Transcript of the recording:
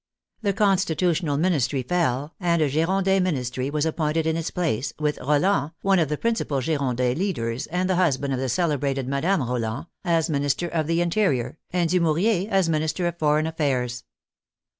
The Constitutional Ministry fell, and a Girondin Min istry was appointed in its place, with Roland, one of the principal Girondin leaders, and the husband of the cele brated Madame Roland, as Minister of the Interior, and Dumouriez as Minister of Foreign Affairs.